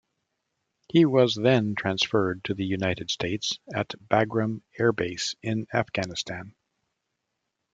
He was then transferred to the United States at Bagram Air Base in Afghanistan.